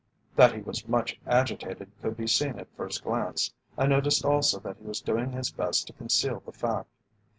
That he was much agitated could be seen at first glance. I noticed also that he was doing his best to conceal the fact.